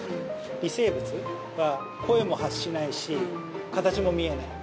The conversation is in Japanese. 微生物は声も発しないし形も見えない。